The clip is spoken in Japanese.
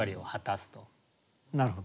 なるほど。